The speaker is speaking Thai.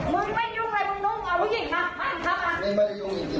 ล่ะมันยุ่งเขาเหล่าก็เอาไม่จำผู้หญิงมา